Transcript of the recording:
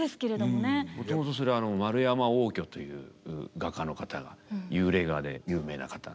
もともとそれ円山応挙という画家の方が幽霊画で有名な方。